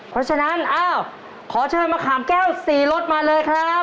เพราะฉะนั้นอ้าวขอเชิญมะขามแก้ว๔รสมาเลยครับ